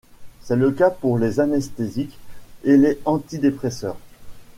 C'est le cas pour les anesthésiques et les antidépresseurs.